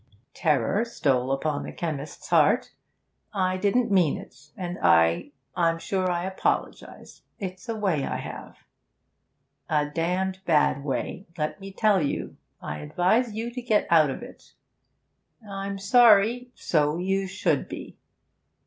'If I did' terror stole upon the chemist's heart 'I didn't mean it, and I I'm sure I apologise. It's a way I have.' 'A damned bad way, let me tell you. I advise you to get out of it.' 'I'm sorry ' 'So you should be.'